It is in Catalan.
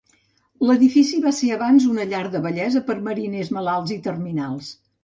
L'edifici va ser abans una llar de vellesa per mariners malats i terminals.